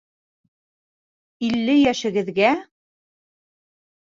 Илле йәшегеҙгә?